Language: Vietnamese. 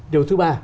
điều thứ ba